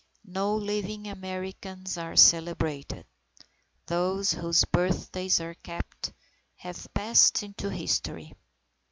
No living Americans are celebrated. Those whose birthdays are kept, have passed into history.